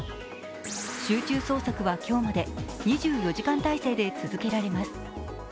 集中捜索は今日まで２４時間態勢で続けられます。